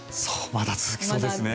まだ続きそうですね。